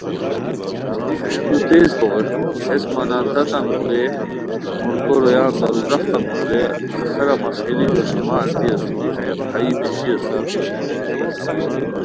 تو تیز بوغے ہیس مہ نان تتان کھولئے، ملھکو رویان در و درختان کھولئے آخرا مہ ݰئیلی جوݰی مہ التی اسور، ہائی بہچی اسوم